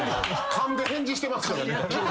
勘で返事してますからね。